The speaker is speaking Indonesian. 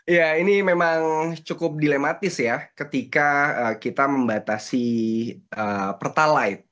ya ini memang cukup dilematis ya ketika kita membatasi pertalite